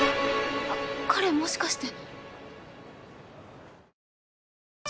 あっ彼もしかして。